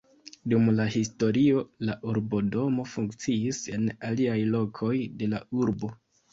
Dum la historio la urbodomo funkciis en aliaj lokoj de la urbo.